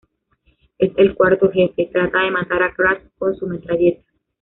Es el cuarto jefe, trata de matar a Crash con su metralleta.